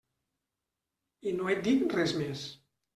I no et dic res més.